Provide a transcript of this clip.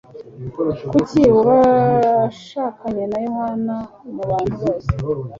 Kuki washakanye na Yohana, mubantu bose?